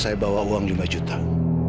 sebenarnya mas ini tuh